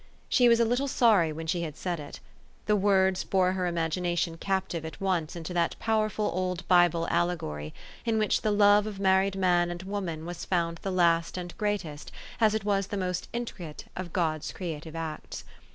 She was a little sorry when she had said it. The words bore her imagination captive at once into that powerful old Bible allegory, in which the love of married man and woman was found the last and greatest, as it was the most intricate, of God's creative acts.